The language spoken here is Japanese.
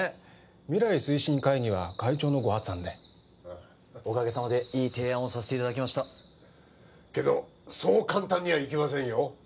未来推進会議は会長のご発案でおかげさまでいい提案をさせていただきましたけどそう簡単にはいきませんよ